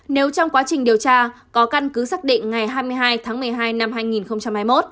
nếu trong quá trình điều tra có căn cứ xác định ngày hai mươi hai tháng một mươi hai năm hai nghìn hai mươi một